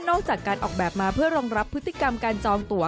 ออกจากการออกแบบมาเพื่อรองรับพฤติกรรมการจองตัว